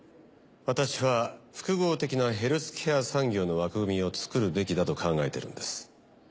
私は複合的なヘルスケア産業の枠組みを作るべきだと考えているんです。